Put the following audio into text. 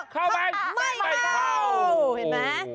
เข้าไม่เข้า